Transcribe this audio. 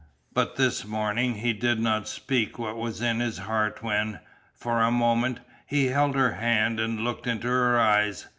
But this morning he did not speak what was in his heart when, for a moment, he held her hand, and looked into her eyes.